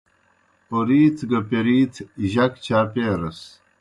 اوْرِیتھ گہ پیرِیتھ جک چاپیرَس۔